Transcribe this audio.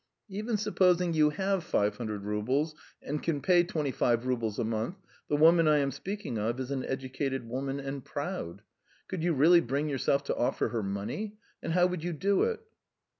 "Even supposing you have five hundred roubles and can pay twenty five roubles a month, the woman I am speaking of is an educated woman and proud. Could you really bring yourself to offer her money? And how would you do it?"